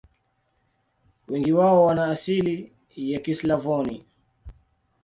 Wengi wao wana asili ya Kislavoni.